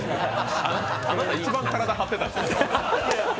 あなた一番、体張ってたしね